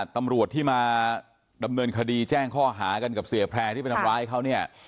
ตำรวจที่มาดำเนินคดีแจ้งข้อหากันกับเสียแพร่ที่ไปทำร้ายเขาเนี่ย